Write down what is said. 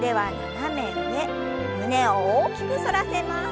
胸を大きく反らせます。